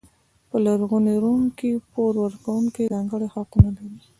په لرغوني روم کې پور ورکوونکو ځانګړي حقونه لرل.